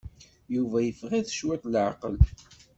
Yuba yeffeɣ-it cwiṭ leɛqel.